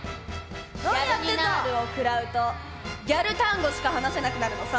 「ギャルニナール」をくらうとギャル単語しか話せなくなるのさ。